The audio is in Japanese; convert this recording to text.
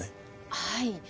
はい。